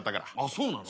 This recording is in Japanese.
そうなの？